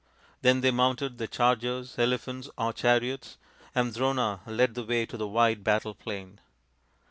Then they mounted their chargers, elephants, or chariots, and Drona led the way to the wide battle plain.